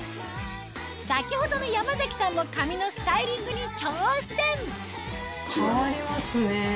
先ほどの山崎さんも髪のスタイリングに挑戦変わりますね！